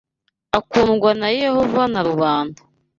akundwa na Yehova na rubanda